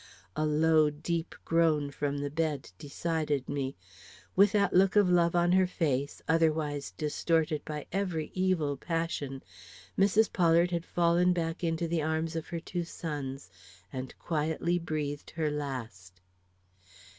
A low, deep groan from the bed decided me. With that look of love on her face, otherwise distorted by every evil passion, Mrs. Pollard had fallen back into the arms of her two sons, and quietly breathed her last.